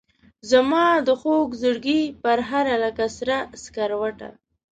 زمادخوږزړګي پرهاره لکه سره سکروټه